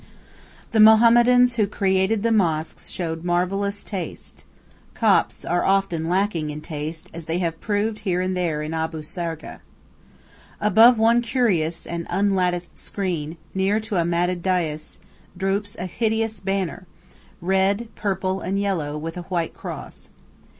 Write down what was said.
The Mohammedans who created the mosques showed marvellous taste. Copts are often lacking in taste, as they have proved here and there in Abu Sargah. Above one curious and unlatticed screen, near to a matted dais, droops a hideous banner, red, purple, and yellow, with a white cross.